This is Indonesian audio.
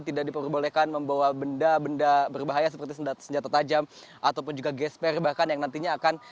tidak diperbolehkan membawa benda benda berbahaya seperti senjata tajam ataupun juga gasper bahkan yang nantinya akan